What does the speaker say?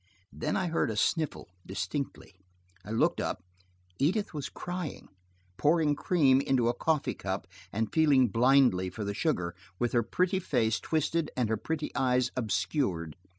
Then I heard a sniffle, distinctly. I looked up. Edith was crying–pouring cream into a coffee cup, and feeling blindly for the sugar, with her pretty face twisted and her pretty eyes obscured.